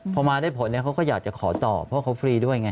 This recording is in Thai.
พอมาได้ผลเขาก็อยากจะขอต่อเพราะเขาฟรีด้วยไง